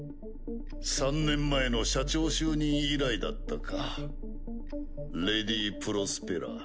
３年前の社長就任以来だったかレディ・プロスペラ。